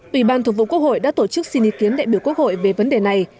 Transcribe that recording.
ủy ban thuộc vụ quốc hội đã tổ chức xin ý kiến đại biểu quốc hội về vấn đề này